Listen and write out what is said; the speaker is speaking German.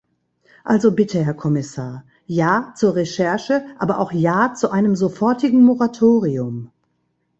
Also bitte, Herr Kommissar, "Ja" zur Recherche, aber auch "Ja" zu einem sofortigen Moratorium.